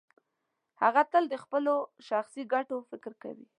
هغه تل د خپلو شخصي ګټو فکر کوي.